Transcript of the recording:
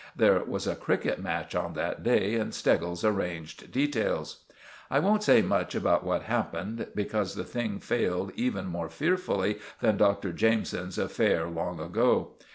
There was a cricket match on that day, and Steggles arranged details. I won't say much about what happened, because the thing failed even more fearfully than Dr. Jameson's affair long ago.